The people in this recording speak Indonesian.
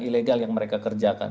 ilegal yang mereka kerjakan